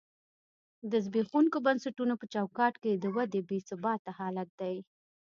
د زبېښونکو بنسټونو په چوکاټ کې د ودې بې ثباته حالت دی.